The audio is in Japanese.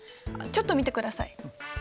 ちょっと見てください。